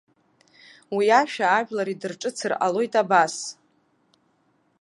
Уи ашәа ажәлар идырҿыцыр ҟалоит абас.